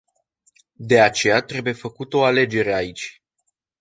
De aceea trebuie făcută o alegere aici.